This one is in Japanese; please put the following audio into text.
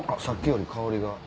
さっきより香りが。